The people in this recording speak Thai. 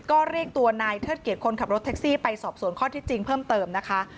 ก็เรียกตัวนายเทิดเกียรติคนขับรถแท็กซี่ไปสอบสวนข้อที่จริงเพิ่มเติมนะคะ